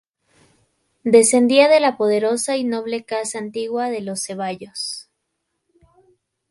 Descendía de la poderosa y noble casa antigua de los Ceballos.